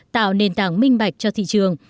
tạo nền tảng minh bạch cho thị trường